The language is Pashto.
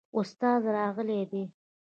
استاد راغلی دی؟